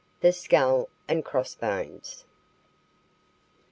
THE SKULL AND CROSS BONES.